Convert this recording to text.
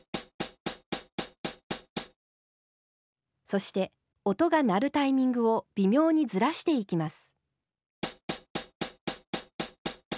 そして音が鳴るタイミングを微妙にずらしていきます。